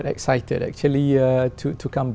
khi quay về việt nam